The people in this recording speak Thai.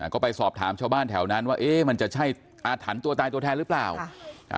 ก็ไปสอบถามชาวบ้านแถวนั้นว่าเอ๊ะมันจะใช่อาถรรพ์ตัวตายตัวแทนหรือเปล่า